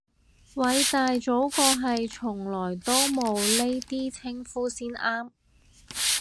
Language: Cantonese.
偉大祖國係從來都冇呢啲稱呼先啱